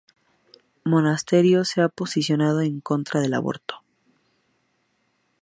Monasterio se ha posicionado en contra del aborto.